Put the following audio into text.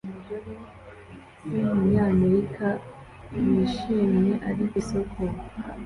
Umugore wumunyamerika wishimye ari ku isoko